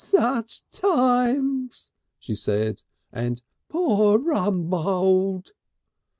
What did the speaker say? "Sich times!" she said, and "Poor Rumbold!"